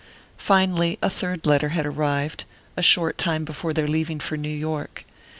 Finally a third letter had arrived, a short time before their leaving for New York.